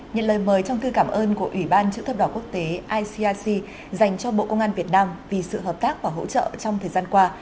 nhận lời mời trong thư cảm ơn của ủy ban chữ thập đỏ quốc tế icic dành cho bộ công an việt nam vì sự hợp tác và hỗ trợ trong thời gian qua